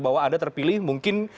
bahwa anda terpilih mungkin